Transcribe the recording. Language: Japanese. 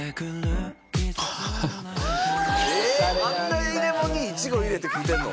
あんな入れ物にイチゴ入れて食うてんの？